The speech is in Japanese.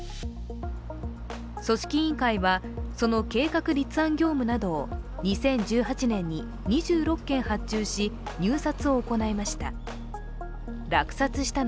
組織委員会は、その計画立案業務などを２０１８年に２６件発注し入札を行いました。